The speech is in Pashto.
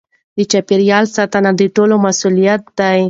د چاپیریال ساتنه د ټولو مسؤلیت دی.